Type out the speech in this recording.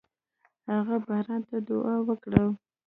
هغه باران ته دعا وکړه.